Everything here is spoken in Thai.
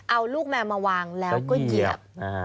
เอาลูกแมวมาวางแล้วก็เหยียบ